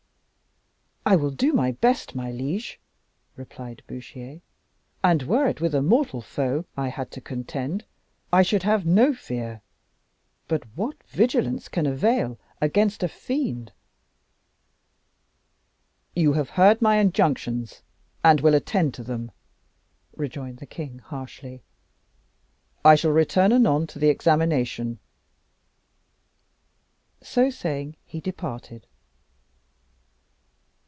"I will do my best, my liege," replied Bouchier; "and were it with a mortal foe I had to contend, I should have no fear. But what vigilance can avail against a fiend?" "You have heard my injunctions, and will attend to them," rejoined the king harshly. "I shall return anon to the examination." So saying, he departed.